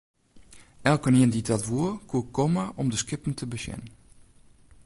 Elkenien dy't dat woe, koe komme om de skippen te besjen.